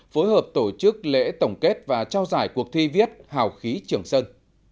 phối hợp tổ chức lễ tổng kết và trao giải cuộc thi viết hào khí trường sơn